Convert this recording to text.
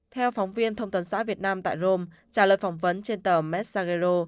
theo phóng viên thông tấn xã việt nam tại rome trả lời phỏng vấn trên tờ messagero